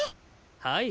はい。